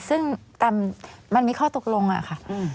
ซึ่งตามมันมีข้อตกลงอะค่ะ